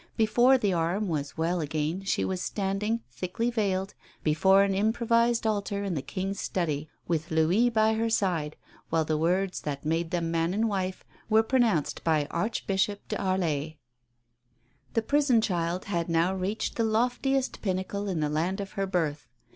Before the arm was well again she was standing, thickly veiled, before an improvised altar in the King's study, with Louis by her side, while the words that made them man and wife were pronounced by Archbishop de Harlay. The prison child had now reached the loftiest pinnacle in the land of her birth.